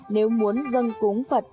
nếu muốn dân cúng phật